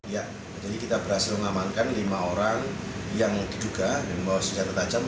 ya jadi kita berhasil mengamankan lima orang yang diduga membawa senjata tajam